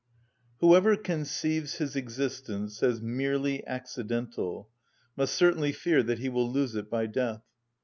Whoever conceives his existence as merely accidental must certainly fear that he will lose it by death.